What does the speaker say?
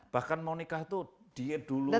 bahkan mau nikah itu dulu